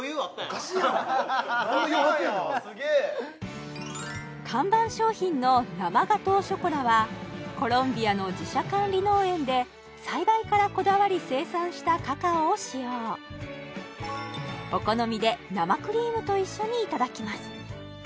おかしいやろ何の余白やすげえ看板商品の生ガトーショコラはコロンビアの自社管理農園で栽培からこだわり生産したカカオを使用お好みで生クリームと一緒にいただきます